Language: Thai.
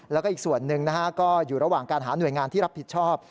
แล้วก็อีกส่วนหนึ่งนะฮะก็อยู่ระหว่างการหาหน่วยงานที่รับผิดชอบ